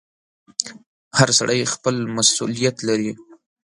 • هر سړی خپل مسؤلیت لري.